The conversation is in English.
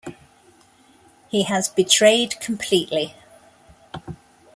He has betrayed completely.